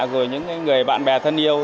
rồi những người bạn bè thân yêu